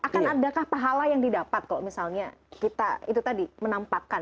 akan adakah pahala yang didapat kalau misalnya kita itu tadi menampakkan